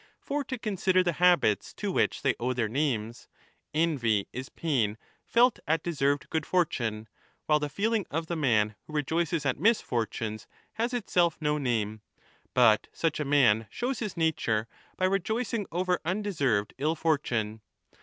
For, to consider the habits to which they owe their names, envy is pain felt at 20 deserved good fortune, while the feeling of the man who rejoices at misfortunes has itself no name/ but such a man shows his nature by ^ rejoicing over undeseived ill fortune.